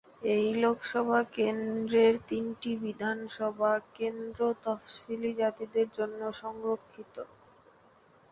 এই লোকসভা কেন্দ্রের তিনটি বিধানসভা কেন্দ্র তফসিলী জাতিদের জন্য সংরক্ষিত।